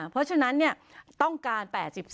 เพราะฉะนั้นเนี่ยต้องการ๘๔